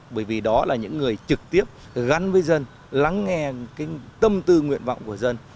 bởi vì đó là những người trực tiếp gắn với dân lắng nghe tâm tư nguyện vọng của dân